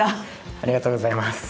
ありがとうございます。